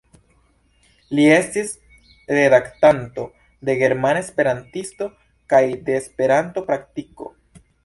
Li estis redaktanto de Germana Esperantisto kaj de Esperanto-Praktiko.